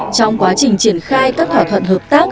trong quá trình triển khai các thỏa thuận hợp tác